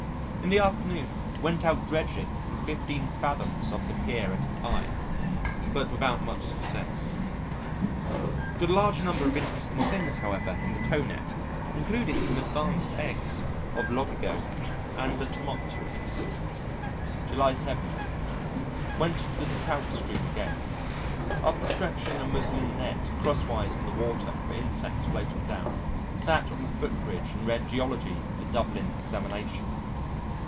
In the afternoon went out dredging in fifteen fathoms off the pier at I , but without much success.... Got a large number of interesting things, however, in the tow net, including some advanced eggs of Loligo and a Tomopteris.... July 7. Went to the trout stream again. After stretching a muslin net crosswise on the water for insects floating down, sat on the footbridge and read Geology for the Dublin Examination.